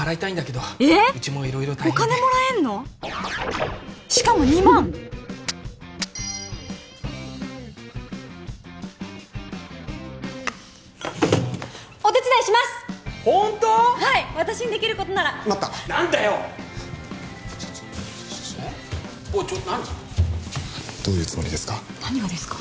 どういうつもりですか？